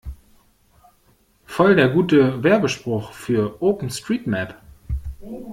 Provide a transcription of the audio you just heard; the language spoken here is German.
Voll der gute Werbespruch für OpenStreetMap!